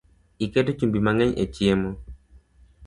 Iketo chumbi mangeny e chiemo